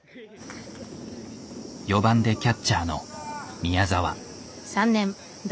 ４番でキャッチャーの宮澤。